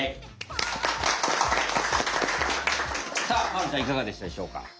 さあまるちゃんいかがでしたでしょうか？